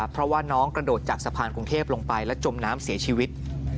เพราะว่าน้องกระโดดจากสะพานกรุงเทพลงไปและจมน้ำเสียชีวิต